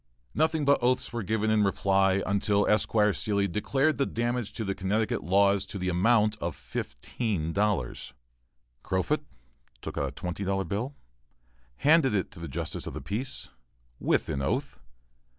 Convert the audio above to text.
Nothing but oaths were given in reply, until Esquire Seelye declared the damage to the Connecticut laws to amount to fifteen dollars. Crofut took out a twenty dollar bill, and handed it to the justice of the peace, with an oath.